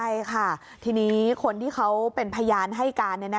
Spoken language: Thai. ใช่ค่ะทีนี้คนที่เขาเป็นพยานให้การ